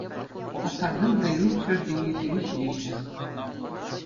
Хастарсем вӗренӳ учрежеденийӗсене ҫитеҫҫӗ.